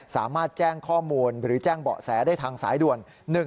สามารถแจ้งข้อมูลหรือแจ้งเบาะแสได้ทางสายด่วน๑๕